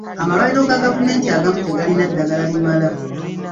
Amalwaliro ga gavumenti agamu tegalina ddagala limala.